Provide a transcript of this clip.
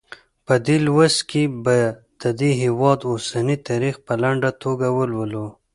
په دې لوست کې به د دې هېواد اوسنی تاریخ په لنډه توګه ولولو.